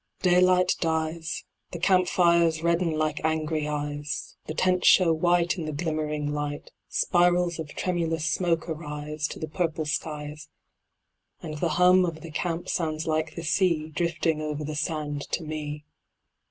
Daylight dies, The Camp fires redden like angry eyes, The Tents show white, In the glimmering light, Spirals of tremulous smoke arise, to the purple skies, And the hum of the Camp sounds like the sea, Drifting over the sand to me.